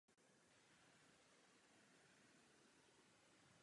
To vím.